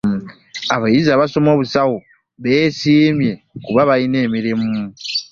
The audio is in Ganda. Abayizi abasoma obusawo beesiimye kuba balina emirimu.